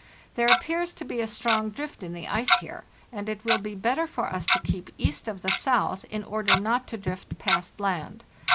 There appears to be a strong drift in the ice here, and it will be better for us to keep east of the south, in order not to drift past land.